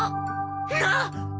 なっ！？